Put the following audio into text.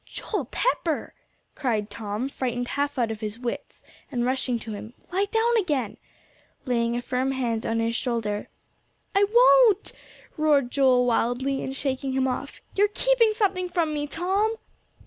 "Joel Pepper!" cried Tom, frightened half out of his wits, and rushing to him; "lie down again," laying a firm hand on his shoulder. "I won't," roared Joel wildly, and shaking him off. "You're keeping something from me, Tom."